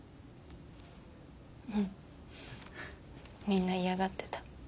みんな嫌がってた。